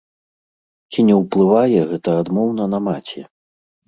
Ці не ўплывае гэта адмоўна на маці?